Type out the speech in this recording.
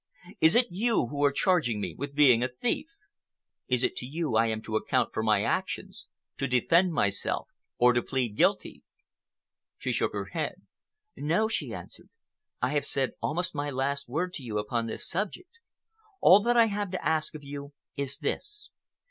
Is it you who are charging me with being a thief? Is it to you I am to account for my actions, to defend myself or to plead guilty?" She shook her head. "No," she answered. "I have said almost my last word to you upon this subject. All that I have to ask of you is this.